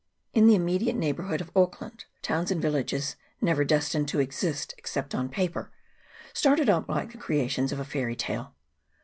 15 In the immediate neighbourhood of Auckland towns and villages, never destined to exist except on paper, started up like the creations of a fairy tale.